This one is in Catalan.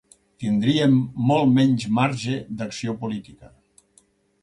Tindríem molt menys marge d’acció política.